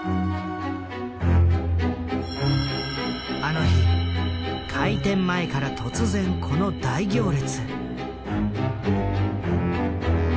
あの日開店前から突然この大行列。